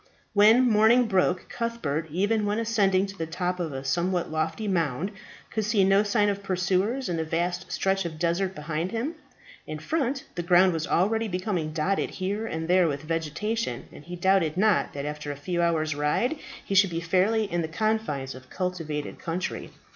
When morning broke Cuthbert, even when ascending to the top of a somewhat lofty mound, could see no signs of pursuers in the vast stretch of desert behind him. In front, the ground was already becoming dotted here and there with vegetation, and he doubted not that after a few hours' ride he should be fairly in the confines of cultivated country.